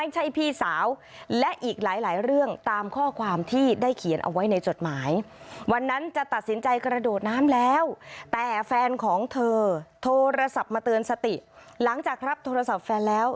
โทรศัพท์มาเตือนสติหลังจากรับโทรศัพท์แฟนแล้ว